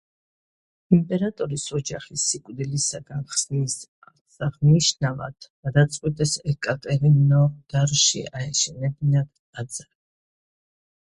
იმპერატორის ოჯახის სიკვდილისაგან ხსნის აღსანიშნავად გადაწყვიტეს ეკატერინოდარში აეშენებინათ ტაძარი.